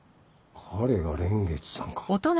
彼が蓮月さんか。